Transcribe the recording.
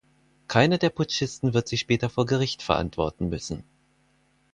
Keiner der Putschisten wird sich später vor Gericht verantworten müssen.